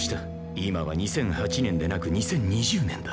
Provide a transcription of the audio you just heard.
今は２００８年でなく２０２０年だ。